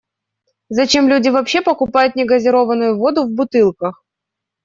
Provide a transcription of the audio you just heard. Зачем люди вообще покупают негазированную воду в бутылках?